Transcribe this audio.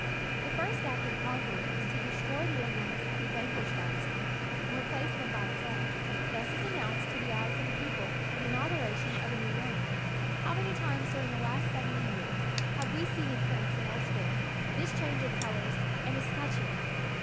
The first act of the con queror is to destroy the emblems of the van quished dynasty, and replace them by his own. Thus is announced to the eyes of the people the inauguration of a new reign. How many times during the last seventy years have we seen in France and elsewhere, this change of colors and escutcheons!